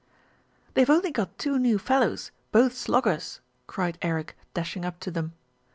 "They've only got two new fellows, both sloggers," cried Eric, dashing up to them.